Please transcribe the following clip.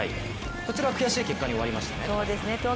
こちらは悔しい結果に終わりましたね。